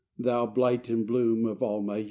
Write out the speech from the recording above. Thou blight and bloom of all my years